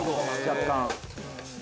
若干。